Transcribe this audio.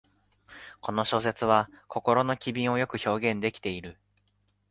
この小説は心の機微をよく表現できている